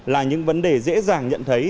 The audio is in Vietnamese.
là những vấn đề dễ dàng nhận thấy